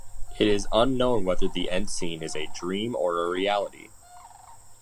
It is unknown whether the end scene is a dream or a reality.